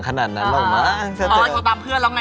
ไปเกิดเขามาขนาดนั้นแล้ว